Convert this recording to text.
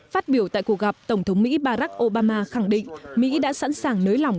phát biểu tại cuộc gặp tổng thống mỹ barack obama khẳng định mỹ đã sẵn sàng nới lỏng